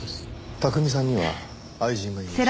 巧さんには愛人がいました。